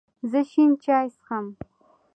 زه شین چای څښم